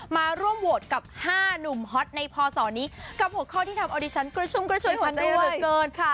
มาร่วมโหวตกับ๕หนุ่มฮอตในพอร์สอนี้กับหกข้อที่ทำออดิชันกระชุมกระชุมของเจ้าหนุ่มเกินค่ะ